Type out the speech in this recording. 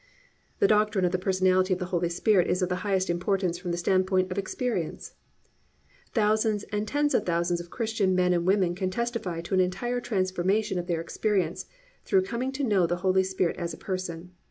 3. The doctrine of the personality of the Holy Spirit is of the highest importance from the standpoint of experience. Thousands and tens of thousands of Christian men and women can testify to an entire transformation of their experience through coming to know the Holy Spirit as a person.